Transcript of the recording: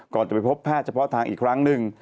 ก่อนจะไปพบแพทย์เฉพาะทางอีกครั้งหนึ่ง